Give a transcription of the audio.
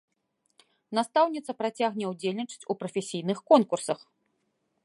Настаўніца працягне ўдзельнічаць у прафесійных конкурсах.